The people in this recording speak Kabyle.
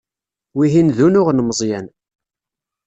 Wihin d unuɣ n Meẓyan.